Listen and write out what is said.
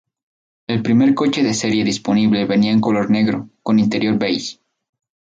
El primer coche de serie disponible venía en color negro, con interior beige.